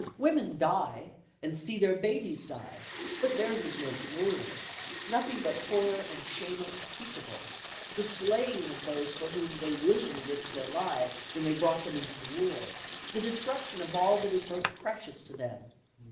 Women die, and see their babies die, but theirs is no glory; nothing but horror and shame unspeakable, the slaying of those for whom they willingly risked their lives, when they brought them into the world, the destruction of all that is most precious to them.